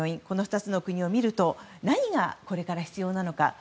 この２つの国を見ると何がこれから必要なのか。